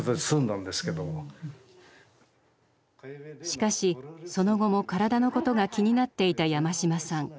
しかしその後も身体のことが気になっていた山島さん。